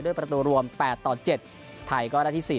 ด้วยประตูรวม๘๗ไทยก็ได้ที่๔